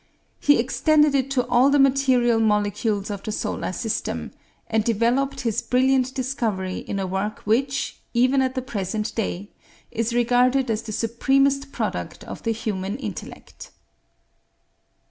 He extended it to all the material molecules of the solar system; and developed his brilliant discovery in a work which, even at the present day, is regarded as the supremest product of the human intellect.